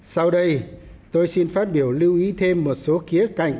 sau đây tôi xin phát biểu lưu ý thêm một số khía cạnh